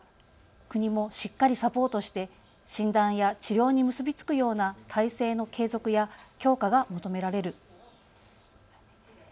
国もしっかりサポートして診断や治療に結び付くような体制の継続や強化が求められる。